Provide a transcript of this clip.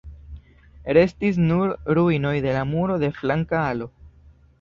Restis nur ruinoj de la muro de flanka alo.